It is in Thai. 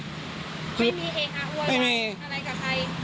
ไม่มีเหี่ยวหา้วยหรืออะไรกับใคร